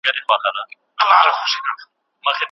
پر پاتا د محتسب جهاني ورسي